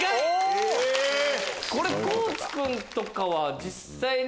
地君とかは実際に。